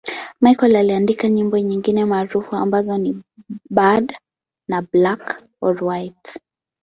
Michael aliandika nyimbo nyingine maarufu ambazo ni 'Bad' na 'Black or White'.